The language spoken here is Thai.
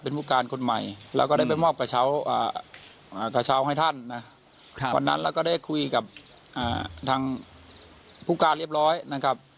เป็นผู้การคนใหม่แล้วก็ได้ไปมอบกระเช้ากระเช้าให้ท่านนะวันนั้นเราก็ได้คุยกับทางผู้การเรียบร้อยนะครับ